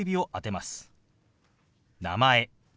「名前」。